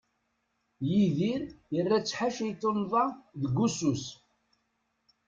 Yidir yerra-tt ḥaca i tunḍa deg ussu-s.